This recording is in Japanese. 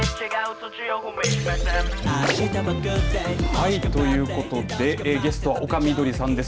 はい、ということでゲストは丘みどりさんです。